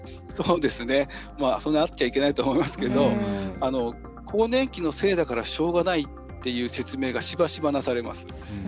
そんなあっちゃいけないとは思いますけど更年期のせいだからしょうがないっていう説明がしばしばなされます。